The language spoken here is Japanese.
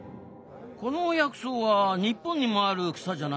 この薬草は日本にもある草じゃないのか？